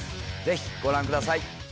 ぜひご覧ください。